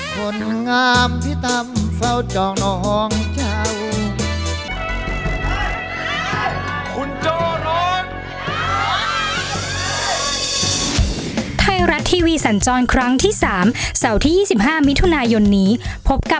เป็นแก้งหรือว่า